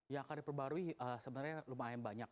yang akan diperbarui sebenarnya lumayan banyak